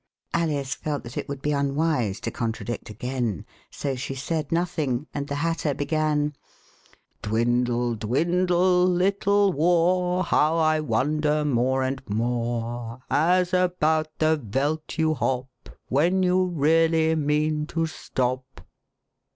Alice felt that it would be unwise to contradict again, so she said nothing, and the Hatter began : Dwindle, dwindle, little war. How I wonder more and more. As about the veldt you hop When you really mean to stop.